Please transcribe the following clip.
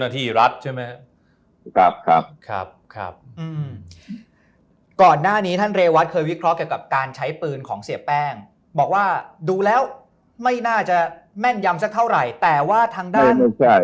ตรงนี้ท่านเรวัตเคยวิเคราะห์เกี่ยวกับการใช้ปืนของเสียแป้งบอกว่าดูแล้วไม่น่าจะแม่นยำสักเท่าไหร่แต่ว่าทางด้าน